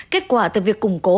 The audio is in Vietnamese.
kết quả từ việc củng cố